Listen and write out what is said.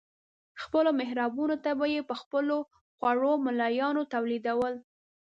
خپلو محرابونو ته به یې په خپلو خوړو ملایان تولیدول.